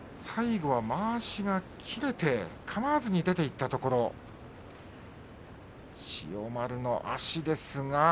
最後はまわしが切れてかまわずに出ていったところ千代丸の足ですが。